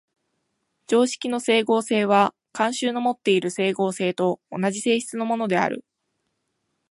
常識の斉合性は慣習のもっている斉合性と同じ性質のものである。